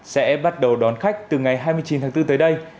sẽ bắt đầu đón khách từ ngày hai mươi chín tháng bốn tới đây